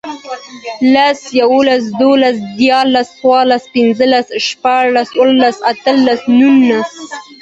لس, یوولس, دوولس, دیرلس، څورلس, پنځلس, شپاړس, اووهلس, اتهلس, نونس